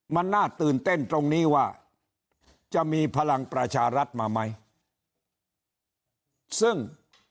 มันน่าตื่นเต้นตรงนี้ว่าจะมีพลังประชารัฐมาไหมซึ่ง